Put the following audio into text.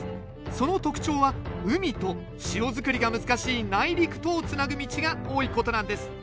その特徴は海と塩作りが難しい内陸とをつなぐ道が多いことなんです。